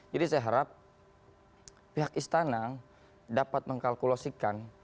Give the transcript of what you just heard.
jadi saya harap pihak istana dapat mengkalkulosikan